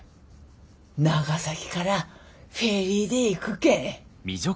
長崎からフェリーで行くけん。